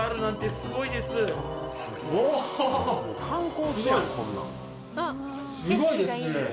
すごいですね！